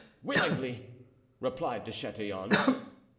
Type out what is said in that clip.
"Willingly," replied De Chatillon.